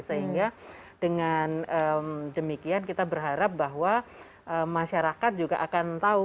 sehingga dengan demikian kita berharap bahwa masyarakat juga akan tahu